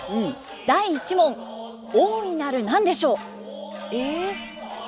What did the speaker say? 第１問大いなる何でしょう？え？